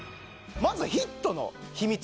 まずヒットの秘密